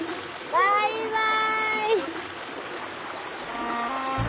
バイバーイ！